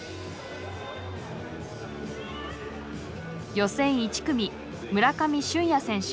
予選１組村上舜也選手。